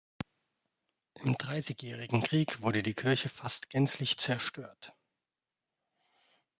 Im Dreißigjährigen Krieg wurde die Kirche fast gänzlich zerstört.